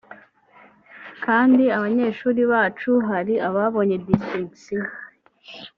kandi abanyeshuri bacu hari ababonye distinction